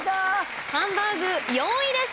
ハンバーグ４位でした。